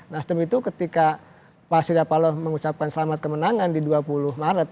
nasdem itu ketika pak surya paloh mengucapkan selamat kemenangan di dua puluh maret